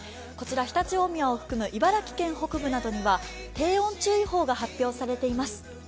こちら常陸大宮を含む茨城県北部などには低温注意報が発表されています。